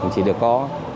chỉ được có